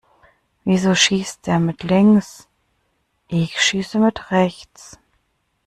Wieso schießt der mit links? Ich schieße mit rechts.